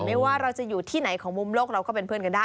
ไม่ว่าเราจะอยู่ที่ไหนของมุมโลกเราก็เป็นเพื่อนกันได้